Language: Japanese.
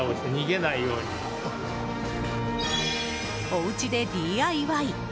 おうちでＤＩＹ。